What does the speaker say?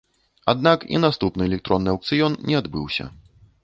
Аднак і наступны электронны аўкцыён не адбыўся.